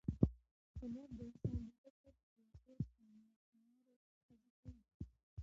هنر د انسان د فکر، خلاقیت او نوښت له لارې روح تازه کوي.